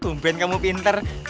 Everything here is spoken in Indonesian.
tumpen kamu pinter